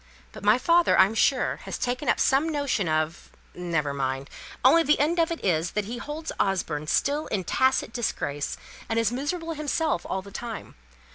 But my father, I'm sure, has taken up some notion of never mind; only the end of it is that he holds Osborne still in tacit disgrace, and is miserable himself all the time.